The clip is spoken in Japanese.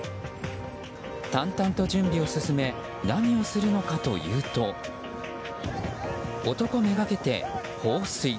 淡々と準備を進め何をするのかというと男めがけて、放水。